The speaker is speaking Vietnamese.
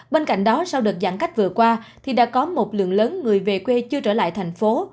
bên cạnh đó sau đợt giãn cách vừa qua thì đã có một lượng lớn người về quê chưa trở lại thành phố